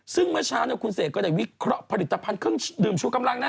ซึ่งเมื่อเช้าคุณเสกก็ได้วิเคราะห์ผลิตภัณฑ์เครื่องดื่มชูกำลังนะ